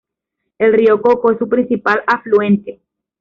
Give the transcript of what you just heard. El Río Coco es su principal afluente.